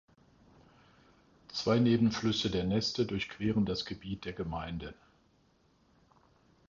Zwei Nebenflüsse der Neste durchqueren das Gebiet der Gemeinde.